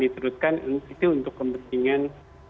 disuruskan untuk kepentingan